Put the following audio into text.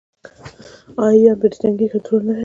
آیا ایران پر دې تنګي کنټرول نلري؟